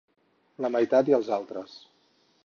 La meitat i els altres.